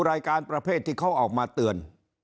รายการประเภทที่เขาออกมาเตือน